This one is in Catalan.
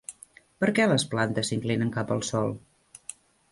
Perquè les plantes s'inclinen cap al sol?